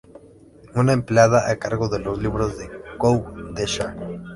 Una empleada a cargo de los libros de Kou-D-Sha.